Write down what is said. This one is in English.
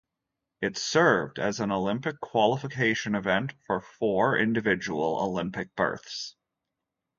It served as an Olympic qualification event for four individual Olympic berths.